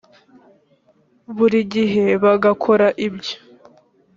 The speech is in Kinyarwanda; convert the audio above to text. buri gihe bagakora ibyo